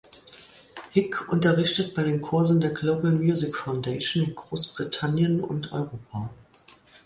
Hick unterrichtet bei den Kursen der "Global Music Foundation" in Großbritannien und Europa.